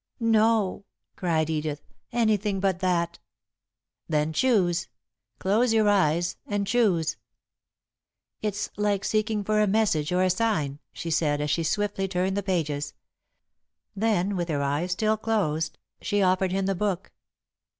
"No," cried Edith. "Anything but that!" "Then choose. Close your eyes, and choose." "It's like seeking for a message, or a sign," she said, as she swiftly turned the pages. Then, with her eyes still closed, she offered him the book.